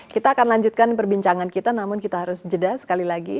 kita akan lanjutkan perbincangan kita namun kita harus jeda sekali lagi